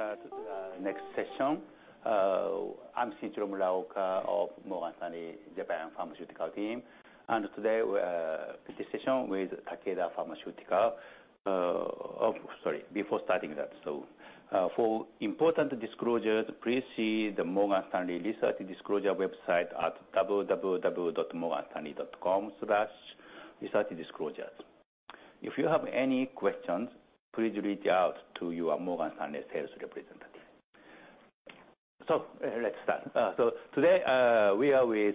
Start the next session. I'm Shinichiro Muraoka of Morgan Stanley Japan Pharmaceutical Team. Today we're in the session with Takeda Pharmaceutical. Sorry, before starting that, for important disclosures, please see the Morgan Stanley Research Disclosure website at www.morganstanley.com/researchdisclosures. If you have any questions, please reach out to your Morgan Stanley sales representative. Let's start. Today we are with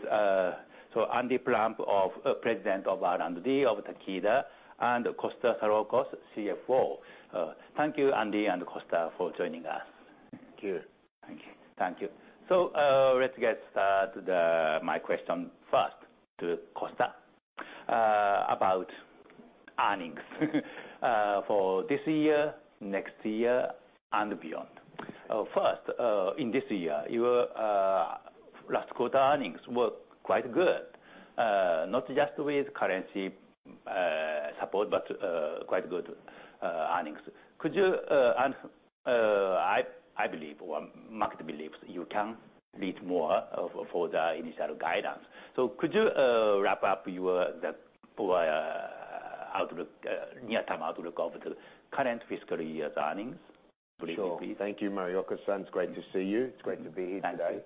Andy Plump, President of R&D of Takeda, an Costa Saroukos, CFO. Thank you, Andy and Costa, for joining us. Thank you. Thank you. Thank you. So let's get started with my question first to Costa about earnings for this year, next year, and beyond. First, in this year, your last quarter earnings were quite good, not just with currency support, but quite good earnings. Could you, and I believe market believes you can beat more for the initial guidance? So could you wrap up your outlook, near-term outlook of the current fiscal year's earnings? Sure. Please, please. Thank you, Mario. It's great to see you. It's great to be here today.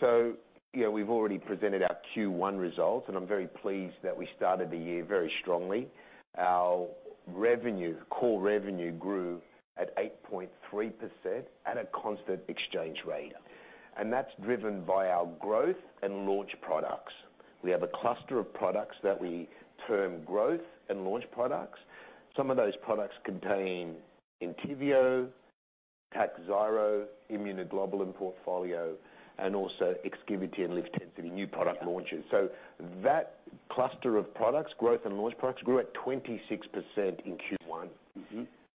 Thank you. We've already presented our Q1 results, and I'm very pleased that we started the year very strongly. Our revenue, core revenue, grew at 8.3% at a constant exchange rate. And that's driven by our growth and launch products. We have a cluster of products that we term growth and launch products. Some of those products contain Entyvio, Takhzyro, immunoglobulin portfolio, and also Exkivity and Livtencity new product launches. So that cluster of products, growth and launch products, grew at 26% in Q1.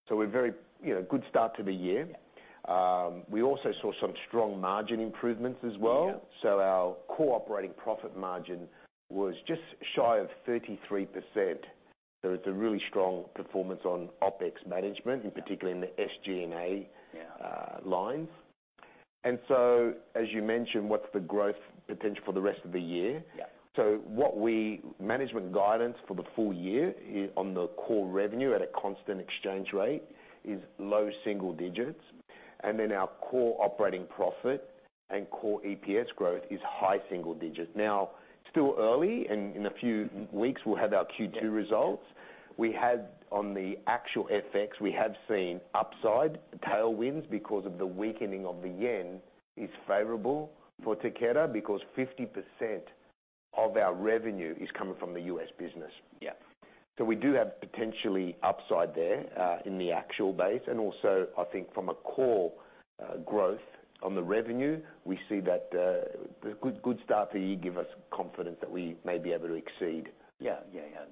So we're a very good start to the year. We also saw some strong margin improvements as well. So our core operating profit margin was just shy of 33%. There was a really strong performance on OpEx management, in particular in the SG&A lines. And so, as you mentioned, what's the growth potential for the rest of the year? So our management guidance for the full year on the core revenue at a constant exchange rate is low single digits. And then our core operating profit and core EPS growth is high single digits. Now, still early, and in a few weeks, we'll have our Q2 results. We have on the actual FX, we have seen upside, tailwinds because of the weakening of the yen is favorable for Takeda because 50% of our revenue is coming from the U.S. business. So we do have potentially upside there in the actual base. And also, I think from a core growth on the revenue, we see that the good start to the year gives us confidence that we may be able to exceed.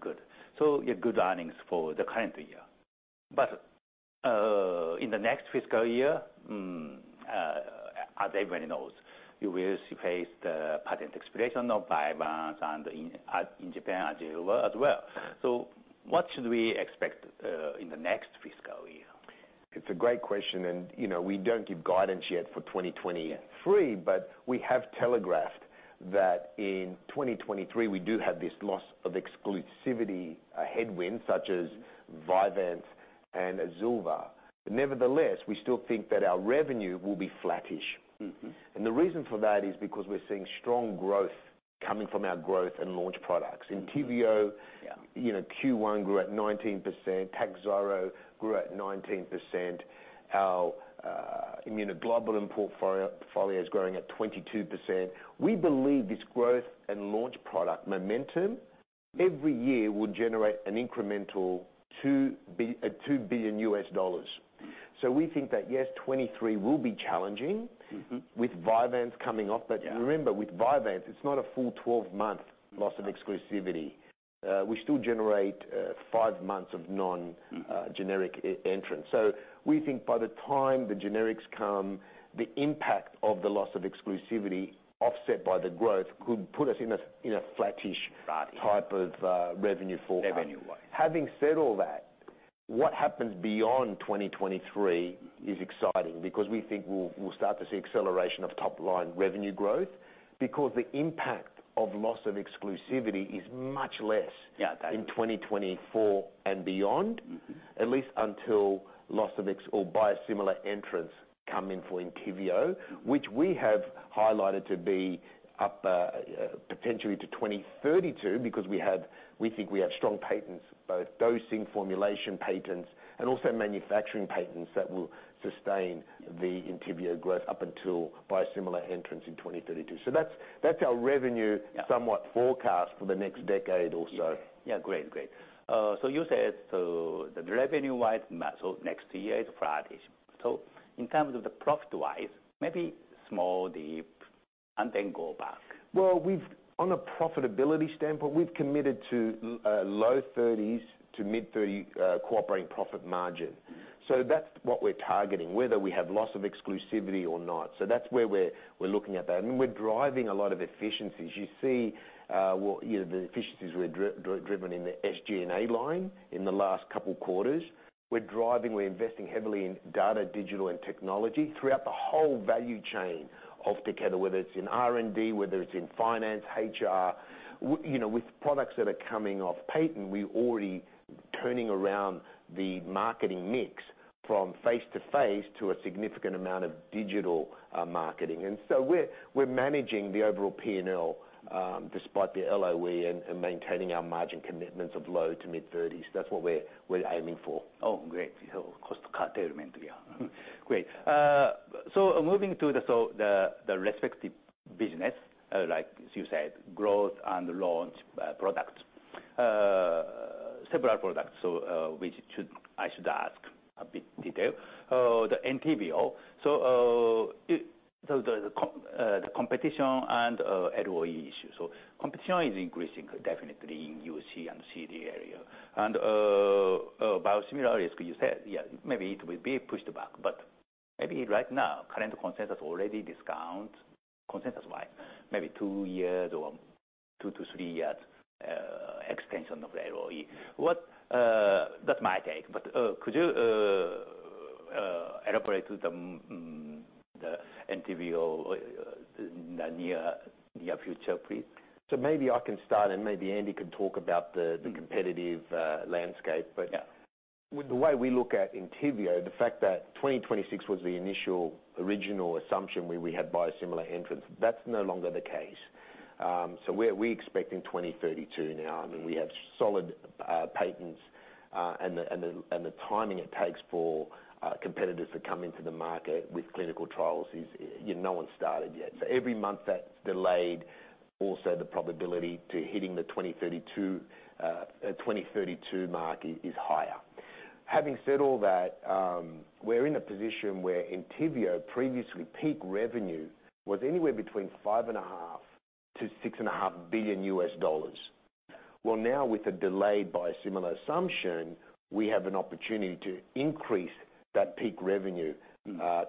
Good, so good earnings for the current year. But in the next fiscal year, as everyone knows, you will face the patent expiration of Vyvanse in Japan as well. So what should we expect in the next fiscal year? It's a great question, and we don't give guidance yet for 2023, but we have telegraphed that in 2023, we do have this loss of exclusivity headwinds such as Vyvanse and Azilva. Nevertheless, we still think that our revenue will be flattish, and the reason for that is because we're seeing strong growth coming from our growth and launch products. Entyvio Q1 grew at 19%. Takhzyro grew at 19%. Our Immunoglobulin portfolio is growing at 22%. We believe this growth and launch product momentum every year will generate an incremental $2 billion. So we think that, yes, 2023 will be challenging with Vyvanse coming off, but remember, with Vyvanse, it's not a full 12-month loss of exclusivity. We still generate five months of non-generic entrants. So we think by the time the generics come, the impact of the loss of exclusivity offset by the growth could put us in a flattish type of revenue forecast. Revenue-wise. Having said all that, what happens beyond 2023 is exciting because we think we'll start to see acceleration of top-line revenue growth because the impact of loss of exclusivity is much less in 2024 and beyond, at least until loss of or biosimilar entrants come in for Entyvio, which we have highlighted to be up potentially to 2032 because we think we have strong patents, both dosing formulation patents and also manufacturing patents that will sustain the Entyvio growth up until biosimilar entrants in 2032. So that's our revenue somewhat forecast for the next decade or so. Yeah. Great. Great. So you said so the revenue-wise, so next year is flattish. So in terms of the profit-wise, maybe small dip and then go back. On a profitability standpoint, we've committed to low-30s% to mid-30s% core operating profit margin. That's what we're targeting, whether we have loss of exclusivity or not. That's where we're looking at that. We're driving a lot of efficiencies. You see the efficiencies we're driving in the SG&A line in the last couple of quarters. We're driving; we're investing heavily in data, digital, and technology throughout the whole value chain of Takeda, whether it's in R&D, whether it's in finance, HR. With products that are coming off patent, we're already turning around the marketing mix from face-to-face to a significant amount of digital marketing. We're managing the overall P&L despite the LOE and maintaining our margin commitments of low- to mid-30s%. That's what we're aiming for. Oh, great. Costa, thank you. Great. So moving to the respective business, like you said, growth and launch products, several products, which I should ask a bit detail. The Entyvio, so the competition and LOE issues. So competition is increasing, definitely, in UC and CD area. And biosimilar risk, you said, yeah, maybe it will be pushed back, but maybe right now, current consensus already discounts, consensus-wise, maybe two years or two to three years extension of LOE. That might take, but could you elaborate the Entyvio in the near future, please? So maybe I can start, and maybe Andy could talk about the competitive landscape. But the way we look at Entyvio, the fact that 2026 was the initial original assumption where we had biosimilar entrants, that's no longer the case. So we're expecting 2032 now. I mean, we have solid patents, and the timing it takes for competitors to come into the market with clinical trials is no one started yet. So every month that's delayed, also the probability to hitting the 2032 mark is higher. Having said all that, we're in a position where Entyvio previously peak revenue was anywhere between $5.5-$6.5 billion. Well, now with a delayed biosimilar assumption, we have an opportunity to increase that peak revenue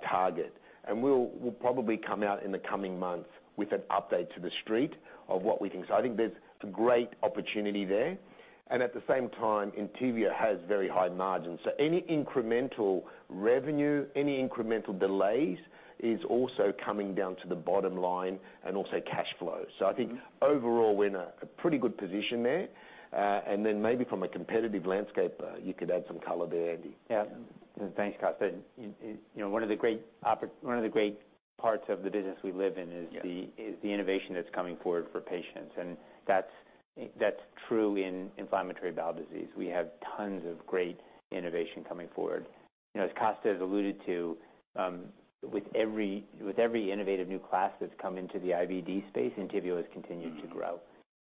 target. And we'll probably come out in the coming months with an update to the street of what we think. I think there's a great opportunity there. And at the same time, Entyvio has very high margins. So any incremental revenue, any incremental delays is also coming down to the bottom line and also cash flow. So I think overall, we're in a pretty good position there. And then maybe from a competitive landscape, you could add some color there, Andy. Yeah. Thanks, Costa. One of the great parts of the business we live in is the innovation that's coming forward for patients. And that's true in inflammatory bowel disease. We have tons of great innovation coming forward. As Costa has alluded to, with every innovative new class that's come into the IBD space, Entyvio has continued to grow.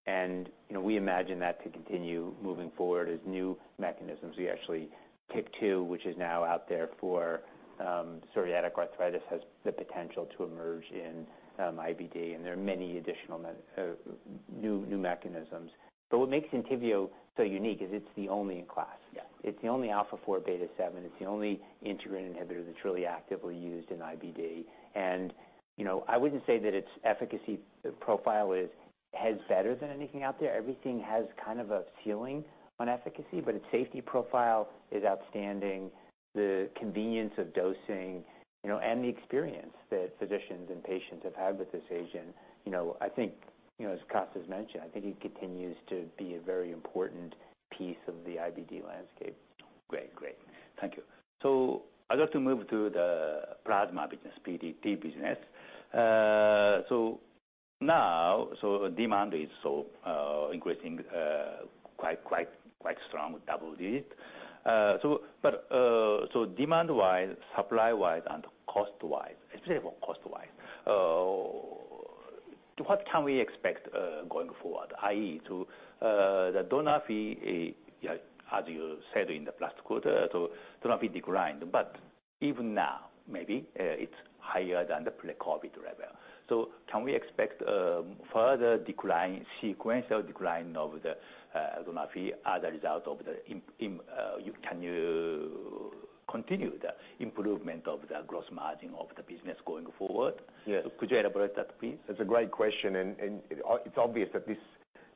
And we imagine that to continue moving forward as new mechanisms. We actually TYK2, which is now out there for psoriatic arthritis has the potential to emerge in IBD. And there are many additional new mechanisms. But what makes Entyvio so unique is it's the only class. It's the only alpha-4 beta-7. It's the only integrin inhibitor that's really actively used in IBD. And I wouldn't say that its efficacy profile is better than anything out there. Everything has kind of a ceiling on efficacy, but its safety profile is outstanding, the convenience of dosing, and the experience that physicians and patients have had with this agent. I think, as Costa has mentioned, I think it continues to be a very important piece of the IBD landscape. Great. Great. Thank you. So I'd like to move to the plasma business, PDT business. So now, so demand is so increasing, quite strong, double digit. But so demand-wise, supply-wise, and cost-wise, especially for cost-wise, what can we expect going forward? i.e., so the donor fee, as you said in the last quarter, so donor fee declined. But even now, maybe it's higher than the pre-COVID level. So can we expect further decline, sequential decline of the donor fee as a result of the continued improvement of the gross margin of the business going forward? Could you elaborate that, please? That's a great question. And it's obvious that this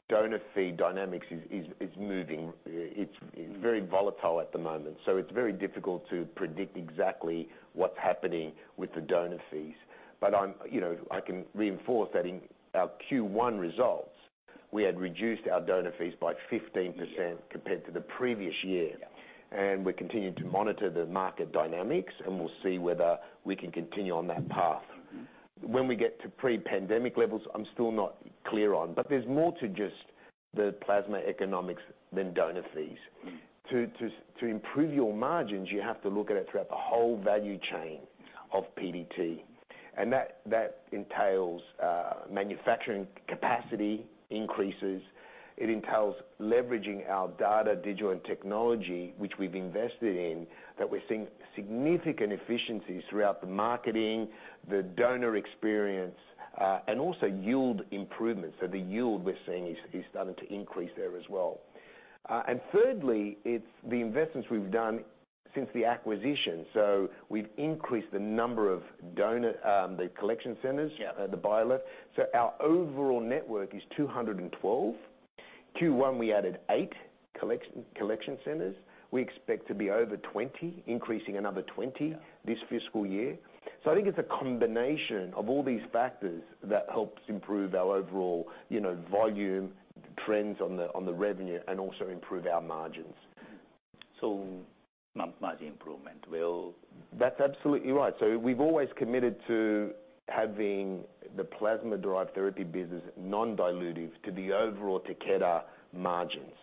donor fee dynamic is moving. It's very volatile at the moment. So it's very difficult to predict exactly what's happening with the donor fees. But I can reinforce that in our Q1 results, we had reduced our donor fees by 15% compared to the previous year. And we're continuing to monitor the market dynamics, and we'll see whether we can continue on that path. When we get to pre-pandemic levels, I'm still not clear on. But there's more to just the plasma economics than donor fees. To improve your margins, you have to look at it throughout the whole value chain of PDT. And that entails manufacturing capacity increases. It entails leveraging our data, digital, and technology, which we've invested in, that we're seeing significant efficiencies throughout the marketing, the donor experience, and also yield improvements. The yield we're seeing is starting to increase there as well. And thirdly, it's the investments we've done since the acquisition. So we've increased the number of donor collection centers, the BioLife. So our overall network is 212. Q1, we added eight collection centers. We expect to be over 220, increasing another 20 this fiscal year. So I think it's a combination of all these factors that helps improve our overall volume, trends on the revenue, and also improve our margins. So margin improvement will. That's absolutely right. So we've always committed to having the plasma-derived therapy business non-dilutive to the overall Takeda margins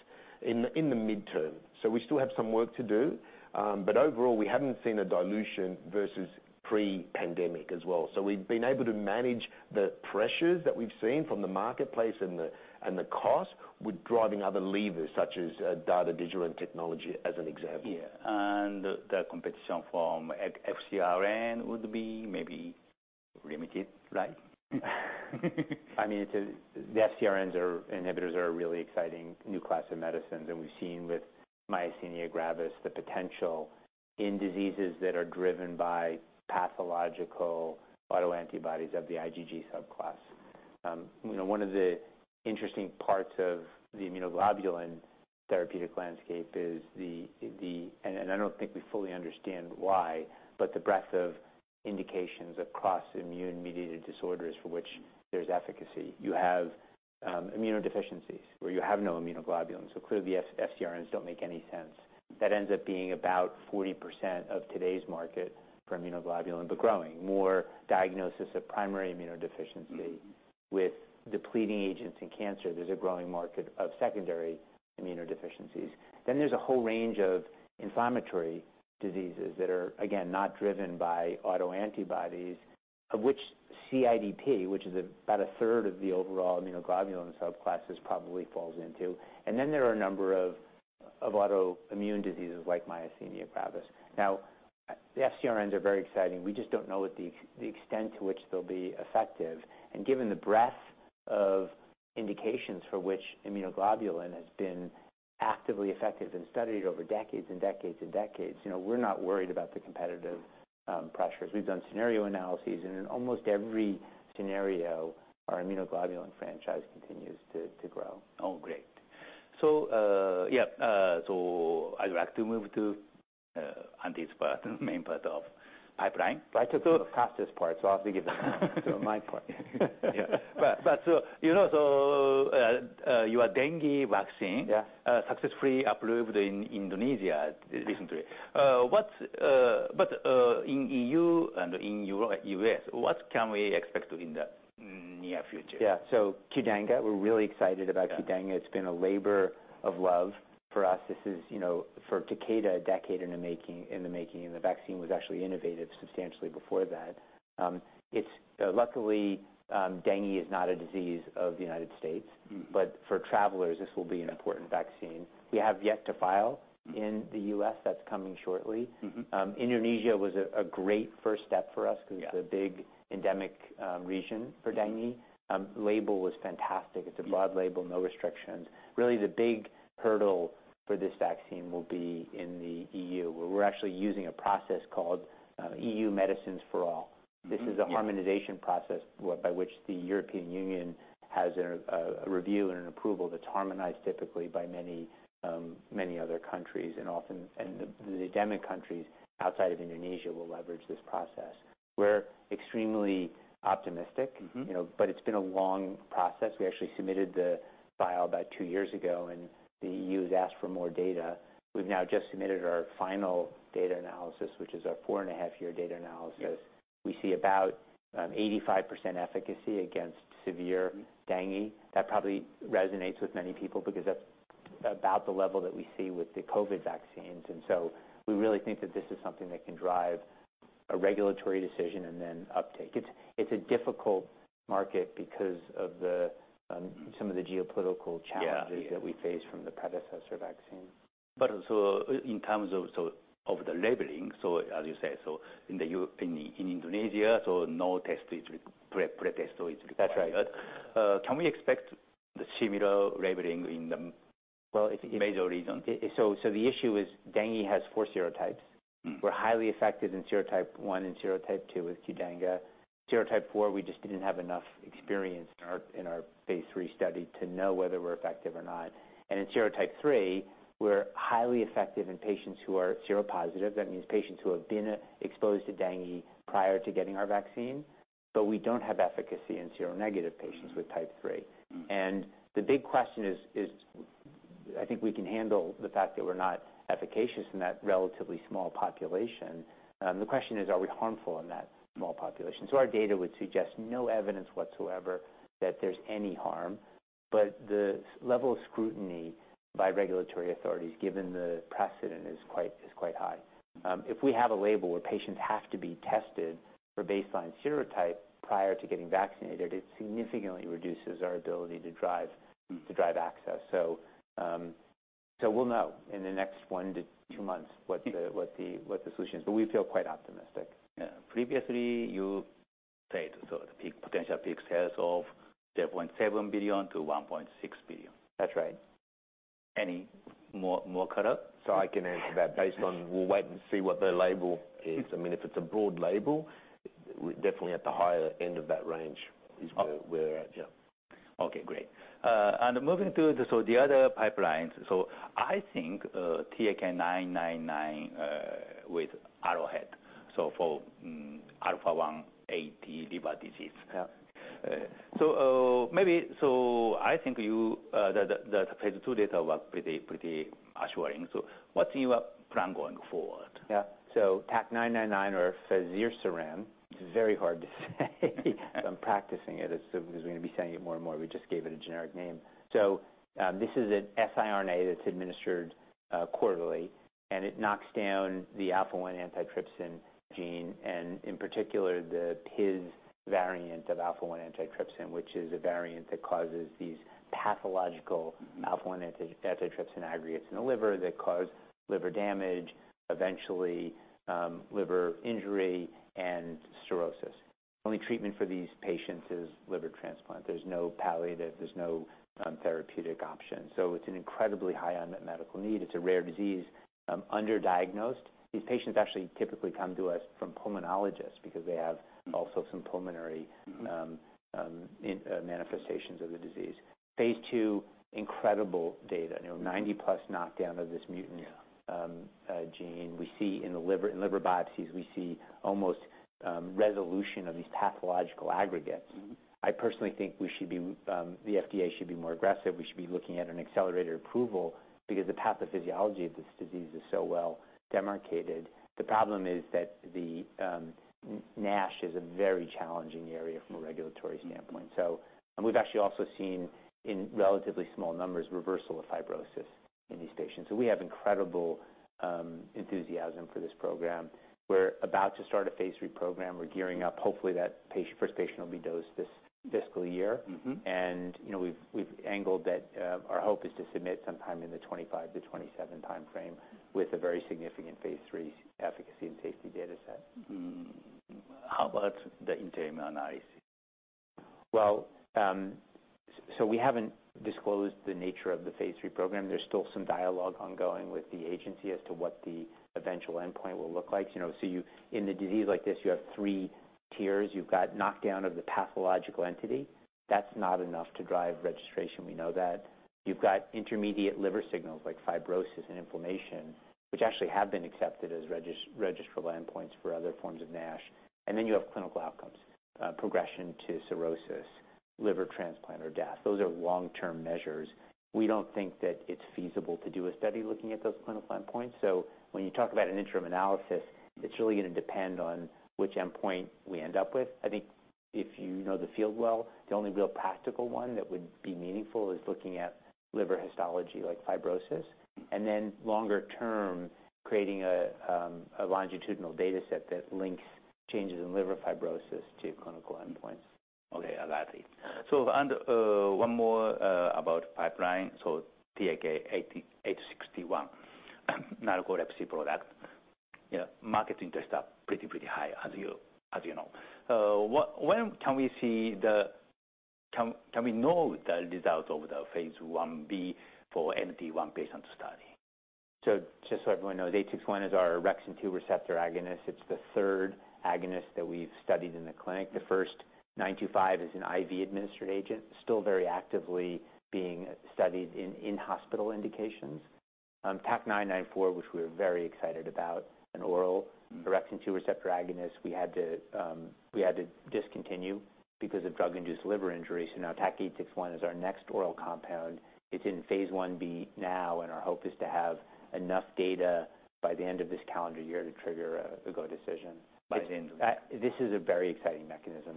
in the midterm. So we still have some work to do. But overall, we haven't seen a dilution versus pre-pandemic as well. So we've been able to manage the pressures that we've seen from the marketplace and the cost with driving other levers such as data, digital, and technology as an example. Yeah. And the competition from FcRn would be maybe limited, right? I mean, the FcRn inhibitors are a really exciting new class of medicines. And we've seen with myasthenia gravis the potential in diseases that are driven by pathological autoantibodies of the IgG subclass. One of the interesting parts of the immunoglobulin therapeutic landscape is the - and I don't think we fully understand why - but the breadth of indications across immune-mediated disorders for which there's efficacy. You have immunodeficiencies where you have no immunoglobulin. So clearly, the FcRns don't make any sense. That ends up being about 40% of today's market for immunoglobulin, but growing. More diagnosis of primary immunodeficiency. With depleting agents in cancer, there's a growing market of secondary immunodeficiencies. Then there's a whole range of inflammatory diseases that are, again, not driven by autoantibodies, of which CIDP, which is about a third of the overall immunoglobulin subclass, probably falls into. And then there are a number of autoimmune diseases like myasthenia gravis. Now, the FcRns are very exciting. We just don't know the extent to which they'll be effective. And given the breadth of indications for which immunoglobulin has been actively effective and studied over decades and decades and decades, we're not worried about the competitive pressures. We've done scenario analyses. And in almost every scenario, our immunoglobulin franchise continues to grow. Oh, great. So yeah. So I'd like to move to Andy's main part of the pipeline. Right. So the fastest part. So I'll have to give that to him. My part. Yeah. But so your dengue vaccine successfully approved in Indonesia recently. But in the E.U. and in the U.S., what can we expect in the near future? Yeah. So, Qdenga. We're really excited about Qdenga. It's been a labor of love for us. This is for Takeda, a decade in the making. And the vaccine was actually innovative substantially before that. Luckily, dengue is not a disease of the United States. But for travelers, this will be an important vaccine. We have yet to file in the US. That's coming shortly. Indonesia was a great first step for us because it's a big endemic region for dengue. Label was fantastic. It's a broad label, no restrictions. Really, the big hurdle for this vaccine will be in the EU, where we're actually using a process called EU Medicines for All. This is a harmonization process by which the European Union has a review and an approval that's harmonized typically by many other countries. And often, the endemic countries outside of Indonesia will leverage this process. We're extremely optimistic, but it's been a long process. We actually submitted the filing about two years ago, and the E.U. has asked for more data. We've now just submitted our final data analysis, which is our four-and-a-half-year data analysis. We see about 85% efficacy against severe dengue. That probably resonates with many people because that's about the level that we see with the COVID vaccines, and so we really think that this is something that can drive a regulatory decision and then uptake. It's a difficult market because of some of the geopolitical challenges that we face from the predecessor vaccine. In terms of the labeling, as you say, in Indonesia, no test is pre-test or is required. That's right. Can we expect the similar labeling in the major region? The issue is dengue has four serotypes. We're highly effective in serotype 1 and serotype 2 with Qdenga. Serotype 4, we just didn't have enough experience in our phase three study to know whether we're effective or not. In serotype 3, we're highly effective in patients who are seropositive. That means patients who have been exposed to dengue prior to getting our vaccine. We don't have efficacy in seronegative patients with type three. The big question is, I think we can handle the fact that we're not efficacious in that relatively small population. The question is, are we harmful in that small population? Our data would suggest no evidence whatsoever that there's any harm. The level of scrutiny by regulatory authorities, given the precedent, is quite high. If we have a label where patients have to be tested for baseline serotype prior to getting vaccinated, it significantly reduces our ability to drive access. So we'll know in the next one to two months what the solution is. But we feel quite optimistic. Yeah. Previously, you said the potential peak sales of $0.7 billion-$1.6 billion. That's right. Any more cut-up? So, I can answer that based on, we'll wait and see what the label is. I mean, if it's a broad label, definitely at the higher end of that range is where we're at. Yeah. Okay. Great. And moving through the other pipelines. So I think TAK-999 with Arrowhead, so for alpha-1 liver disease. Yeah. So I think the phase two data were pretty assuring. So what's your plan going forward? Yeah. So TAK-999 or Fezirsiram. It's very hard to say. I'm practicing it as we're going to be saying it more and more. We just gave it a generic name. So this is an siRNA that's administered quarterly. And it knocks down the alpha-1 antitrypsin gene and, in particular, the PiZ variant of alpha-1 antitrypsin, which is a variant that causes these pathological alpha-1 antitrypsin aggregates in the liver that cause liver damage, eventually liver injury and cirrhosis. The only treatment for these patients is liver transplant. There's no palliative. There's no therapeutic option. So it's an incredibly high-end medical need. It's a rare disease, underdiagnosed. These patients actually typically come to us from pulmonologists because they have also some pulmonary manifestations of the disease. phase two, incredible data. 90-plus knockdown of this mutant gene. In liver biopsies, we see almost resolution of these pathological aggregates. I personally think the FDA should be more aggressive. We should be looking at an accelerated approval because the pathophysiology of this disease is so well demarcated. The problem is that the NASH is a very challenging area from a regulatory standpoint. So we've actually also seen, in relatively small numbers, reversal of fibrosis in these patients. So we have incredible enthusiasm for this program. We're about to start a phase three program. We're gearing up. Hopefully, that first patient will be dosed this fiscal year, and we've angled that our hope is to submit sometime in the 2025-2027 timeframe with a very significant phase three efficacy and safety data set. How about the interim analysis? Well, so we haven't disclosed the nature of the phase three program. There's still some dialogue ongoing with the agency as to what the eventual endpoint will look like. So in a disease like this, you have three tiers. You've got knockdown of the pathological entity. That's not enough to drive registration. We know that. You've got intermediate liver signals like fibrosis and inflammation, which actually have been accepted as registrational endpoints for other forms of NASH. And then you have clinical outcomes: progression to cirrhosis, liver transplant, or death. Those are long-term measures. We don't think that it's feasible to do a study looking at those clinical endpoints. So when you talk about an interim analysis, it's really going to depend on which endpoint we end up with. I think if you know the field well, the only real practical one that would be meaningful is looking at liver histology like fibrosis, and then longer term, creating a longitudinal data set that links changes in liver fibrosis to clinical endpoints. Okay. I like it. So one more about pipeline. So TAK-861, narcolepsy product. Market interest is pretty, pretty high, as you know. When can we see? Can we know the result of the phase 1b for NT1 patient study? Just so everyone knows, 861 is our orexin 2 receptor agonist. It's the third agonist that we've studied in the clinic. The first, 925, is an IV-administered agent, still very actively being studied in hospital indications. TAK-994, which we were very excited about, an oral orexin 2 receptor agonist, we had to discontinue because of drug-induced liver injury. So now TAK-861 is our next oral compound. It's in phase 1b now. And our hope is to have enough data by the end of this calendar year to trigger a go-decision. By the end of the year? This is a very exciting mechanism.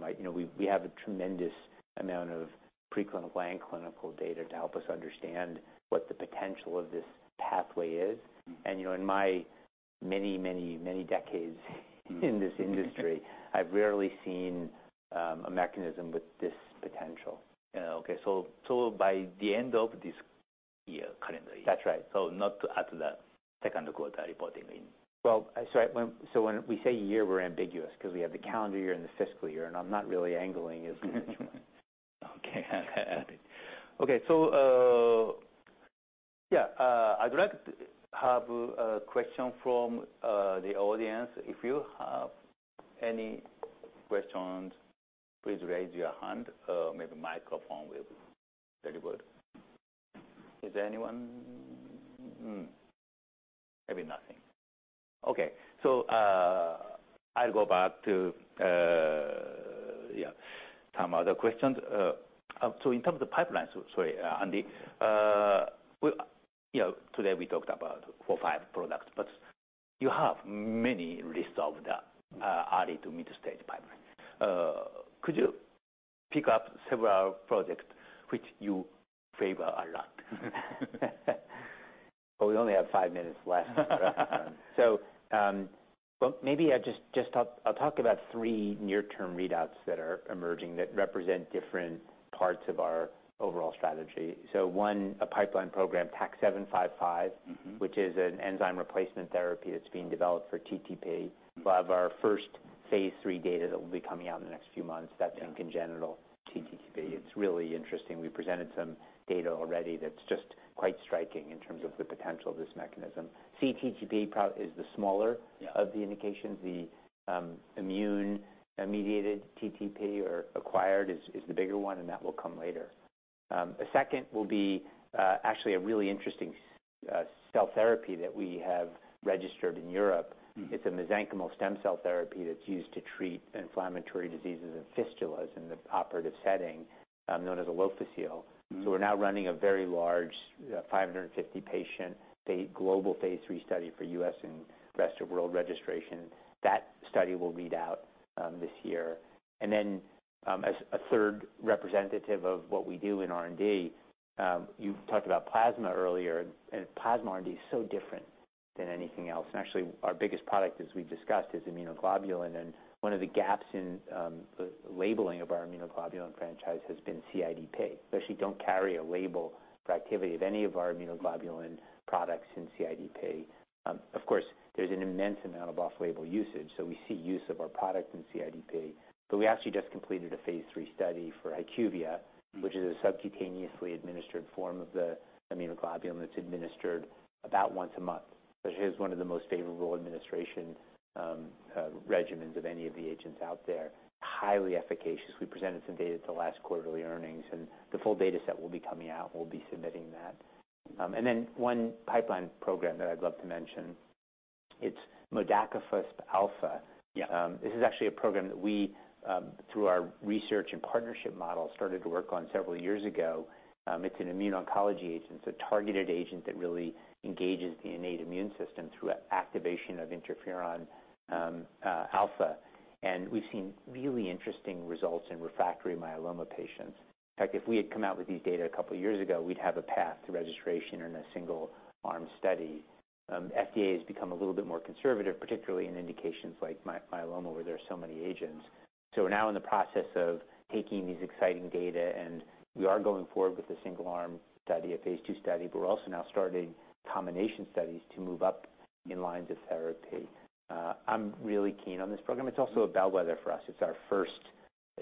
We have a tremendous amount of preclinical and clinical data to help us understand what the potential of this pathway is. And in my many, many, many decades in this industry, I've rarely seen a mechanism with this potential. Okay. So by the end of this year, currently? That's right. So not after the second quarter reporting? When we say year, we're ambiguous because we have the calendar year and the fiscal year. I'm not really angling as much. Okay. Okay. So yeah, I'd like to have a question from the audience. If you have any questions, please raise your hand. Maybe microphone will be very good. Is there anyone? Maybe nothing. Okay. So I'll go back to some other questions. So in terms of pipelines, sorry, Andy, today we talked about four, five products. But you have many lists of the early to mid-stage pipelines. Could you pick up several projects which you favor a lot? We only have five minutes left. So maybe I'll talk about three near-term readouts that are emerging that represent different parts of our overall strategy. So one, a pipeline program, TAK-755, which is an enzyme replacement therapy that's being developed for TTP. We'll have our first phase three data that will be coming out in the next few months. That's in congenital TTP. It's really interesting. We presented some data already that's just quite striking in terms of the potential of this mechanism. CTTP is the smaller of the indications. The immune-mediated TTP or acquired is the bigger one. And that will come later. A second will be actually a really interesting cell therapy that we have registered in Europe. It's a mesenchymal stem cell therapy that's used to treat inflammatory diseases of fistulas in the operative setting known as Alofisel. We're now running a very large 550-patient global phase 3 study for U.S. and rest of world registration. That study will be out this year. And then a third representative of what we do in R&D, you talked about plasma earlier. And plasma R&D is so different than anything else. And actually, our biggest product, as we've discussed, is immunoglobulin. And one of the gaps in the labeling of our immunoglobulin franchise has been CIDP. We actually don't carry a label for activity of any of our immunoglobulin products in CIDP. Of course, there's an immense amount of off-label usage. So we see use of our product in CIDP. But we actually just completed a phase three study for HyQvia, which is a subcutaneously administered form of the immunoglobulin that's administered about once a month. It is one of the most favorable administration regimens of any of the agents out there. Highly efficacious. We presented some data at the last quarterly earnings, and the full data set will be coming out. We'll be submitting that, and then one pipeline program that I'd love to mention, it's Modakafusp alfa. This is actually a program that we, through our research and partnership model, started to work on several years ago. It's an immuno-oncology agent, so a targeted agent that really engages the innate immune system through activation of interferon alpha, and we've seen really interesting results in refractory myeloma patients. In fact, if we had come out with these data a couple of years ago, we'd have a path to registration in a single-arm study. FDA has become a little bit more conservative, particularly in indications like myeloma where there are so many agents. We're now in the process of taking these exciting data. We are going forward with a single-arm study, a phase two study. We're also now starting combination studies to move up in lines of therapy. I'm really keen on this program. It's also a bellwether for us. It's our first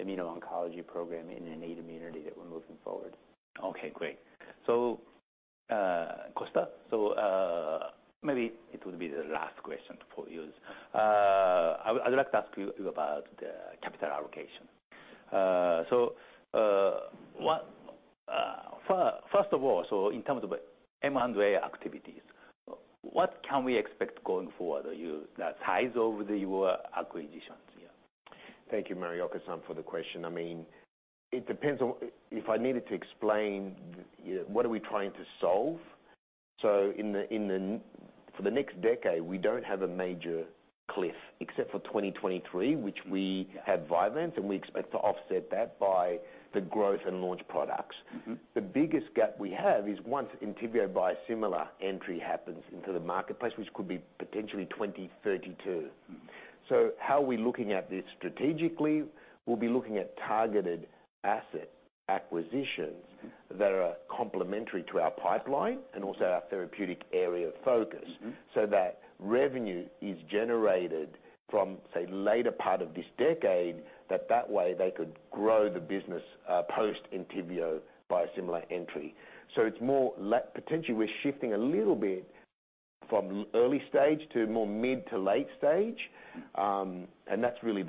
immuno-oncology program in innate immunity that we're moving forward. Okay. Great, so, Costa, so maybe it would be the last question for you. I'd like to ask you about capital allocation, so first of all, so in terms of M&A activities, what can we expect going forward, the size of your acquisitions? Yeah. Thank you, Mario, for the question. I mean, it depends on if I needed to explain what are we trying to solve. So for the next decade, we don't have a major cliff except for 2023, which we had Vyvanse. And we expect to offset that by the growth and launch products. The biggest gap we have is once Entyvio biosimilar entry happens into the marketplace, which could be potentially 2032. So how are we looking at this strategically? We'll be looking at targeted asset acquisitions that are complementary to our pipeline and also our therapeutic area of focus so that revenue is generated from, say, later part of this decade, that way they could grow the business post-Entyvio biosimilar entry. So potentially, we're shifting a little bit from early stage to more mid to late stage. That's really,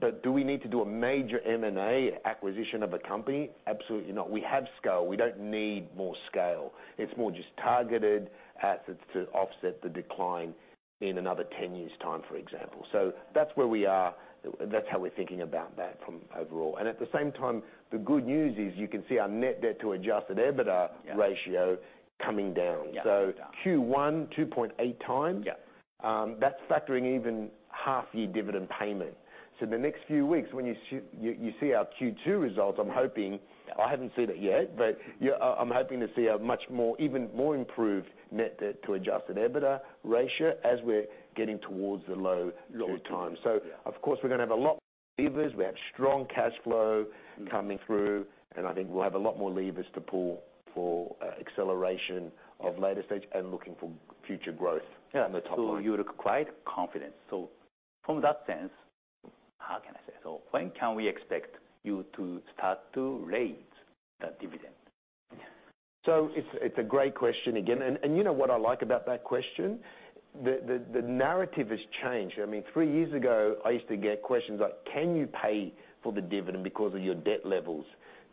but do we need to do a major M&A acquisition of a company? Absolutely not. We have scale. We don't need more scale. It's more just targeted assets to offset the decline in another 10 years' time, for example. That's where we are. That's how we're thinking about that overall. At the same time, the good news is you can see our net debt to Adjusted EBITDA ratio coming down. Q1, 2.8 times, that's factoring even half-year dividend payment. The next few weeks, when you see our Q2 results, I'm hoping. I haven't seen it yet. But I'm hoping to see a much more improved net debt to Adjusted EBITDA ratio as we're getting towards the low 2s. Of course, we're going to have a lot more levers. We have strong cash flow coming through. I think we'll have a lot more levers to pull for acceleration of later stage and looking for future growth on the top line. So you're quite confident. So from that sense, how can I say? So when can we expect you to start to raise that dividend? So it's a great question again. And you know what I like about that question? The narrative has changed. I mean, three years ago, I used to get questions like, "Can you pay for the dividend because of your debt levels?"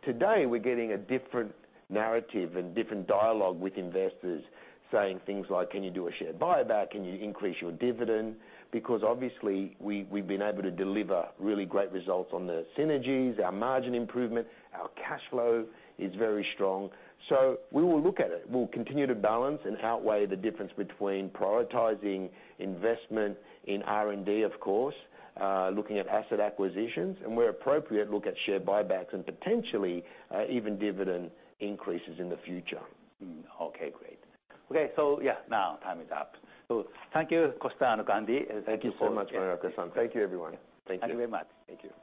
Today, we're getting a different narrative and different dialogue with investors saying things like, "Can you do a share buyback? Can you increase your dividend?" Because obviously, we've been able to deliver really great results on the synergies, our margin improvement. Our cash flow is very strong. So we will look at it. We'll continue to balance and outweigh the difference between prioritizing investment in R&D, of course, looking at asset acquisitions. And where appropriate, look at share buybacks and potentially even dividend increases in the future. Okay. Great. Okay. So yeah, now time is up. So thank you, Costa and Andy. Thank you so much, Mario. Thank you, everyone. Thank you. Thank you very much. Thank you.